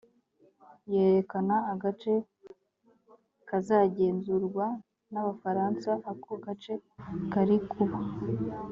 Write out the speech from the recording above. yerekana agace kazagenzurwa n abafaransa ako gace kari kuba